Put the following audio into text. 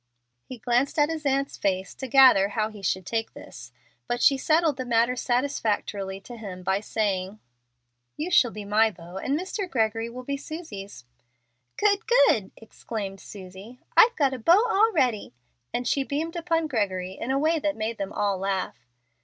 He glanced at his aunt's face to gather how he should take this, but she settled the matter satisfactorily to him by saying, "You shall be my beau, and Mr. Gregory will be Susie's." "Good, good!" exclaimed Susie. "I've got a beau already;" and she beamed upon Gregory in a way that made them all laugh.